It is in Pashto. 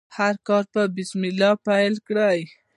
هر کار په بسم الله پیل کړئ.